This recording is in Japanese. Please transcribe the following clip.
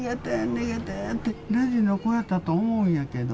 逃げてって、レジの子やったと思うんやけど。